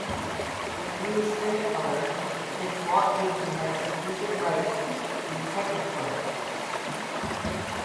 It used Cinecolor since Walt Disney had exclusive rights to the Technicolor process.